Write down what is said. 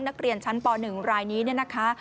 นักเรียนชั้นป๑รายนี้เนี่ยนะคะ